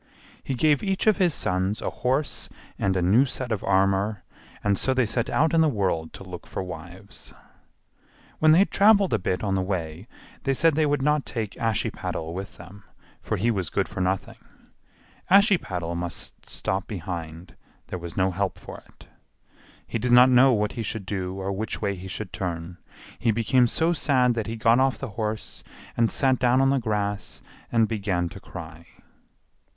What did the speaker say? He gave each of his sons a horse and a new suit of armor, and so they set out in the world to look for wives. When they had traveled a bit on the way they said they would not take Ashiepattle with them, for he was good for nothing. Ashiepattle must stop behind; there was no help for it. He did not know what he should do or which way he should turn; he became so sad that he got off the horse and sat down on the grass and began to cry.